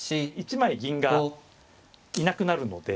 １枚銀がいなくなるので。